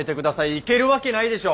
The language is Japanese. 行けるわけないでしょ！